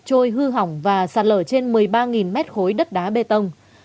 trôi hư hỏng và sạt lở trên một mươi ba mét khối đất đá bê tông